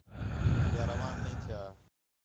یا روان نہیں تِھیا